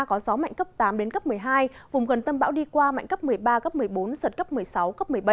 có gió mạnh cấp tám đến cấp một mươi hai vùng gần tâm bão đi qua mạnh cấp một mươi ba cấp một mươi bốn giật cấp một mươi sáu cấp một mươi bảy